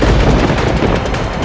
keduanya tidak akan melakukan segala